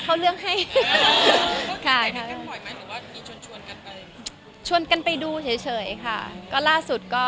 เขาให้ไงเขาเลือกให้